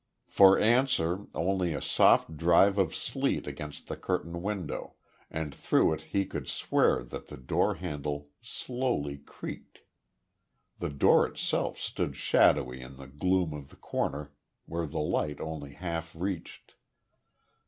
For answer only a soft drive of sleet against the curtained window, and through it he could swear that the door handle slowly creaked. The door itself stood shadowy in the gloom of the corner where the light only half reached.